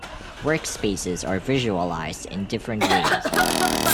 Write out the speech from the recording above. Workspaces are visualized in different ways.